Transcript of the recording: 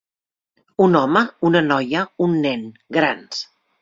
Un home, una noia, un nen, grans.